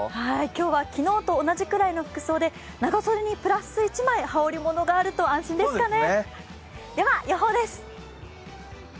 今日は昨日と同じくらいの服装で長袖にプラス１枚は羽織りものがあると安心ですね。